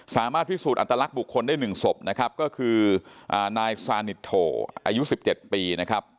สามารถพิสูจน์อัตลักษณ์บุคคลได้หนึ่งศพนะครับก็คืออ่านายสานิโธอายุสิบเจ็ดปีนะครับ